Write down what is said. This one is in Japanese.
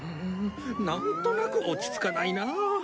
なんとなく落ち着かないなあ。